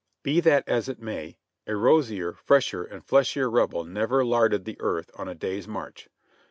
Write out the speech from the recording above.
Be that as it may, a rosier, fresher or fleshier Rebel never "larded the earth" on a day's march.